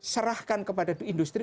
serahkan kepada industri